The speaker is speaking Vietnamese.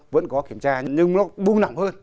vẫn có kiểm tra nhưng nó bung nỏng hơn